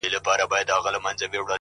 پوهېږم نه!! يو داسې بله هم سته!!